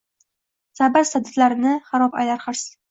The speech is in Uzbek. Sabr sadlarini harob aylar hirs